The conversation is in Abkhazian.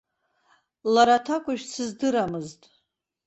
Лара аҭакәажә дсыздырамызт.